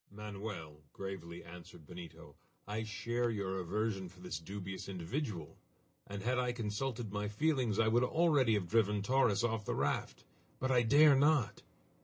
"Manoel," gravely answered Benito, "I share your aversion for this dubious individual, and had I consulted my feelings I would already have driven Torres off the raft! But I dare not!"